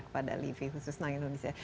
kepada livi khusus tentang indonesia